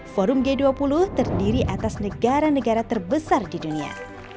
forum g dua puluh terdiri atas negara negara terbesar di dunia